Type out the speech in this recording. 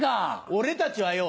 俺たちはよ